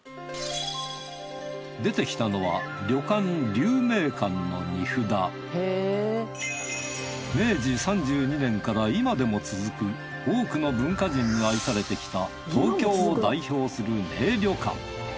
出てきたのは明治３２年から今でも続く多くの文化人に愛されてきた東京を代表する名旅館。